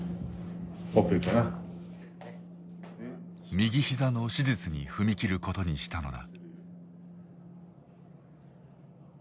右膝の手術に踏み切ることにしたのだ。